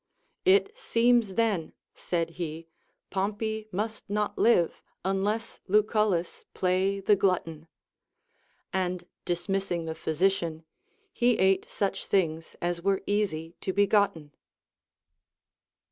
It seems then, said he, Pompey must not live, nnless Lucullus play the glutton ; and dismissing the ])hy sician, he ate such things as were easy to be gotten.